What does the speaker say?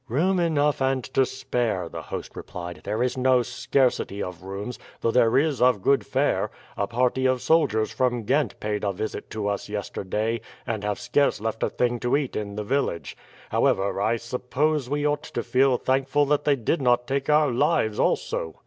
"Room enough and to spare," the host replied. "There is no scarcity of rooms, though there is of good fare; a party of soldiers from Ghent paid a visit to us yesterday, and have scarce left a thing to eat in the village. However, I suppose we ought to feel thankful that they did not take our lives also."